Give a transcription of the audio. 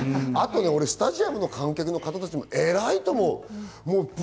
スタジアムの観客の人たちも偉いと思う。